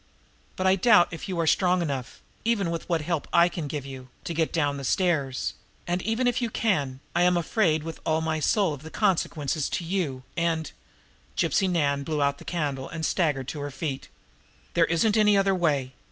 But I doubt if you are strong enough, even with what help I can give you, to get down the stairs, and even if you can, I am afraid with all my soul of the consequences to you, and " Gypsy Nan blew out the candle, and staggered to her feet. "There isn't any other way."